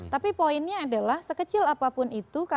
tapi poinnya adalah sekecil apa yang kita lakukan